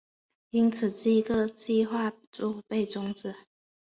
因此这个计划就被终止。